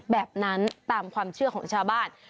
แบบนั้นตามความเชื่อของชาวบ้าน